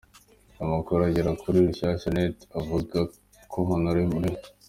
Amakuru agera kuri Rushyashya.net avuga ko Hon.